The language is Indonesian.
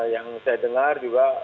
yang saya dengar juga